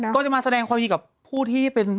ก็จะมาแสดงความยินดีกับผู้ที่เป็น